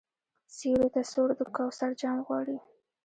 سیوري ته سوړ د کوثر جام غواړي